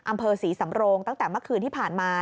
อำเภอศรีสำโรงตั้งแต่เมื่อคืนที่ผ่านมา